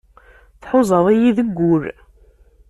Tḥuzaḍ-iyi deg wul.